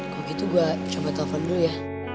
kalo gitu gua coba telfon dulu ya